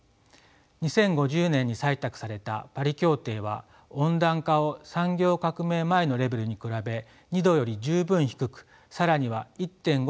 ２０１５年に採択されたパリ協定は温暖化を産業革命前のレベルに比べ２℃より十分低く更には１．５